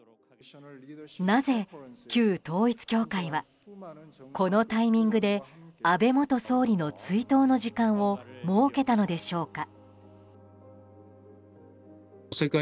なぜ、旧統一教会はこのタイミングで安倍元総理の追悼の時間を設けたのでしょうか。